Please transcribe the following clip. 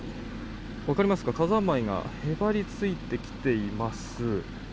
分かりますか、火山灰がへばりついてきています。